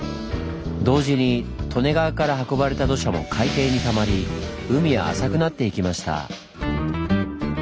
同時に利根川から運ばれた土砂も海底にたまり海は浅くなっていきました。